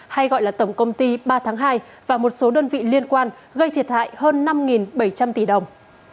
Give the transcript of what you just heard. hay gọi là tổng công ty ba tháng hai và một số đơn vị liên quan gây thiệt hại hơn năm bảy trăm linh tỷ đồng